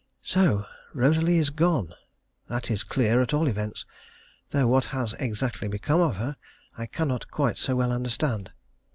So Rosalie is gone. That is clear at all events, though what has exactly become of her I cannot quite so well understand.